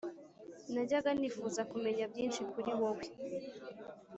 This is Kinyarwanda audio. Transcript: najyaga nifuza kumenya byinshi kuri wowe,